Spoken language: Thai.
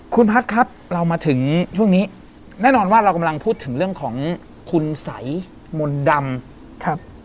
คุณพัฒน์ครับเรามาถึงช่วงนี้แน่นอนว่าเรากำลังพูดถึงเรื่องของคุณสัยมนต์ดำครับ